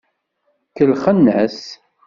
Kellxen-as.